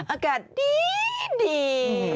อากาศดีดี